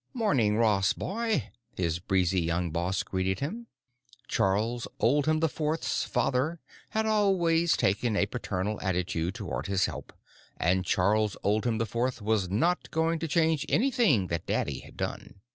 "Morning, Ross boy," his breezy young boss greeted him. Charles Oldham IV's father had always taken a paternal attitude toward his help, and Charles Oldham IV was not going to change anything that Daddy had done.